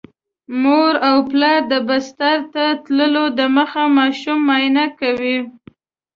مور او پلار د بستر ته تللو دمخه ماشوم معاینه کوي.